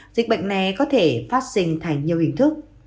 dịch bệnh này có thể phát sinh thành nhiều hình thức